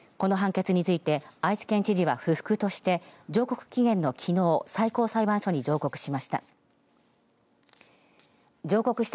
この判決について愛知県知事は不服として上告期限のきのう最高裁判所に上告しました。